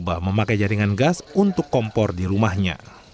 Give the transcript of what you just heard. abah memakai jaringan gas untuk kompor di rumahnya